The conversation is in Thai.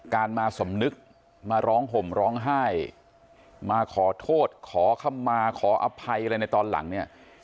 การมาสมนึกมาร้องห่มร้องไห้มาขอโทษขอคำมาขออภัยอะไรในตอนหลังเนี่ย